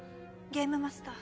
ゲームマスター。